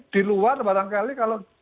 diluar barangkali kalau